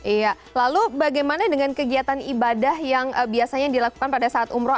iya lalu bagaimana dengan kegiatan ibadah yang biasanya dilakukan pada saat umroh